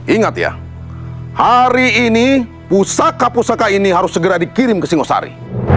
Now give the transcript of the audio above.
ingat ya hari ini pusaka pusaka ini harus segera dikirim ke singosari